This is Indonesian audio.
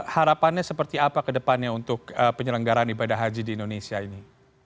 harapannya seperti apa ke depannya untuk penyelenggaran ibadah haji di indonesia ini